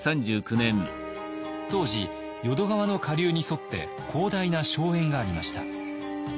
当時淀川の下流に沿って広大な荘園がありました。